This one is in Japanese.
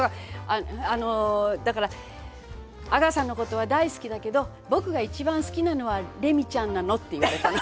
あのだから「阿川さんのことは大好きだけど僕が一番好きなのはレミちゃんなの」って言われたの。